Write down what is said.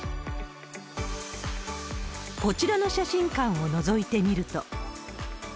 こちらの写真館を覗いてみると。